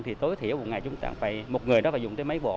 thì tối thiểu một ngày chúng ta phải một người đó phải dùng tới mấy bộ